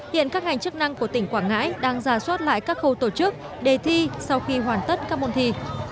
hiện các ngành chức năng của tỉnh quảng ngãi đang ra soát lại các khâu tổ chức đề thi sau khi hoàn tất các môn thi